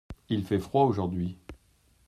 Il fait froid aujourd’hui.